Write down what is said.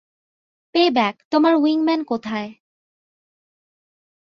Payback, তোমার উইংম্যান কোথায়?